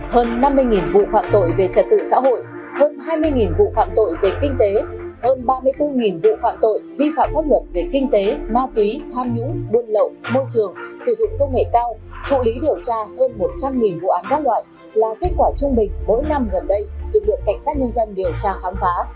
hơn năm mươi vụ phạm tội về trật tự xã hội hơn hai mươi vụ phạm tội về kinh tế hơn ba mươi bốn vụ phạm tội vi phạm pháp luật về kinh tế ma túy tham nhũng buôn lậu môi trường sử dụng công nghệ cao thụ lý điều tra hơn một trăm linh vụ án các loại là kết quả trung bình mỗi năm gần đây được cảnh sát nhân dân điều tra khám phá